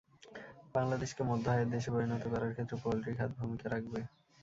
বাংলাদেশকে মধ্য আয়ের দেশে পরিণত করার ক্ষেত্রে পোলট্রি খাত ভূমিকা রাখবে।